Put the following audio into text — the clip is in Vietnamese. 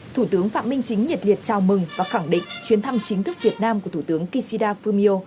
thủ tướng phạm minh chính nhiệt liệt chào mừng và khẳng định chuyến thăm chính thức việt nam của thủ tướng kishida fumio